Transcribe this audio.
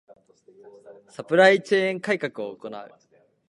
ⅱ サプライチェーン改革を行う